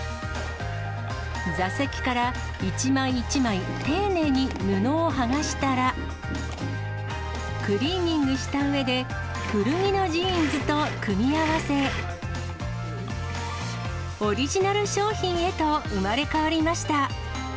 座席から一枚一枚、丁寧に布を剥がしたら、クリーニングしたうえで、古着のジーンズと組み合わせ、オリジナル商品へと生まれ変わりました。